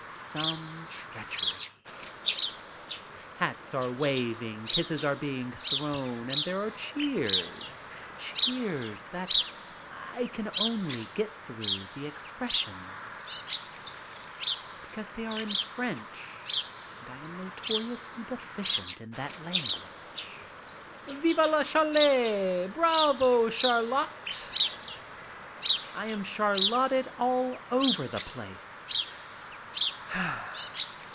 Some treach ery. Hats are waving, kisses are being thrown, and there are cheers. Cheers that I can only get through the expres sion, because they are in French and I am notoriously deficient in that language. ''Vive le Chariot!" "Bravo, Chariot!" I am *' Charioted '' all over the place.